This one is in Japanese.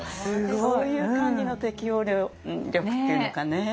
そういう感じの適応力っていうのかねすごいですよね。